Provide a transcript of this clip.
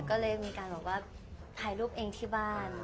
ก็เลยมีการบอกว่าถ่ายรูปเองที่บ้าน